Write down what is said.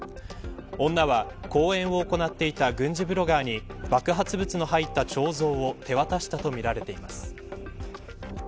女は講演を行っていた軍事ブロガーに爆発物の入った彫像を手渡したとみられています。